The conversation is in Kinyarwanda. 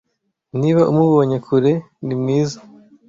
Niba umubonye kure, ni mwiza.